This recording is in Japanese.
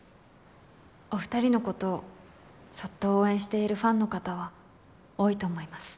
お２人のことそっと応援しているファンの方は多いと思います。